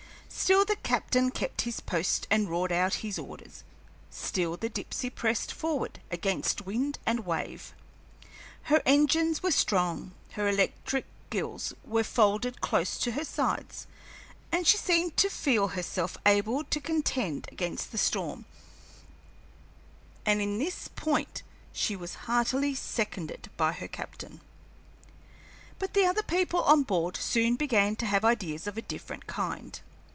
Still the captain kept his post and roared out his orders, still the Dipsey pressed forward against wind and wave. Her engines were strong, her electric gills were folded close to her sides, and she seemed to feel herself able to contend against the storm, and in this point she was heartily seconded by her captain. But the other people on board soon began to have ideas of a different kind.